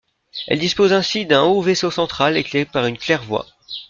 Elle dispose ainsi d'un haut vaisseau central éclairé par une claire-voie.